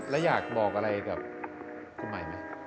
แล้วอยากบอกอะไรกับคุณใหม่ไหม